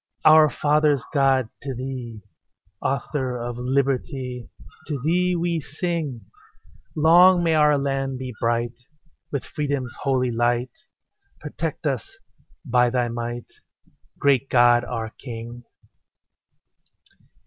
Our fathers' God, to Thee, Author of liberty, To Thee we sing: Long may our land be bright With freedom's holy light: Protect us by Thy might, Great God, our King.